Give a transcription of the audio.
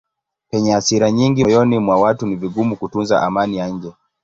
Penye hasira nyingi moyoni mwa watu ni vigumu kutunza amani ya nje.